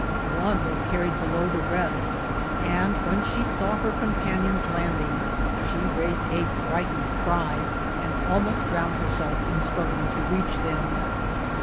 One was carried below the rest ; and, when she saw her companions landing, she raised a frightened cry, and almost drowned herself in struggling to reach them.